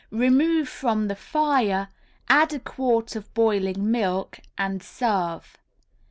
Remove from the fire, add a quart of boiling milk, and serve.